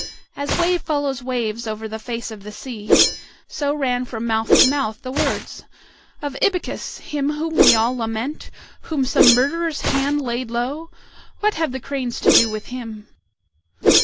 As wave follows wave over the face of the sea, so ran from mouth to mouth the words, "Of Ibycus! him whom we all lament, whom some murderer's hand laid low! What have the cranes to do with him?"